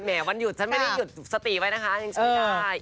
แหมวันหยุดฉันน่าให้หยุดสติไว้นะคะยังชอบได้